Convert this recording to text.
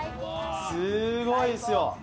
すーごいっすよ。